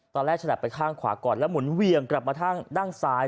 ฉลับไปข้างขวาก่อนแล้วหมุนเวียงกลับมาทางด้านซ้าย